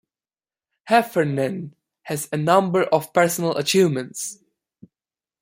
Heffernan has a number of personal achievements.